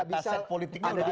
data set politiknya sudah ada